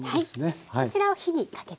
こちらを火にかけて。